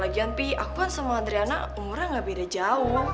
gimpi aku kan sama adriana umurnya gak beda jauh